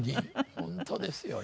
本当ですよね。